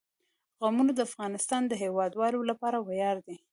قومونه د افغانستان د هیوادوالو لپاره ویاړ دی.